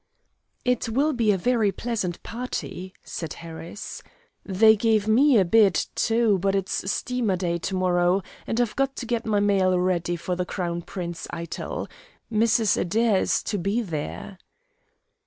"It will be a very pleasant party," said Harris. "They gave me a bid, too, but it's steamer day to morrow, and I've got to get my mail ready for the Crown Prince Eitel. Mrs. Adair is to be there."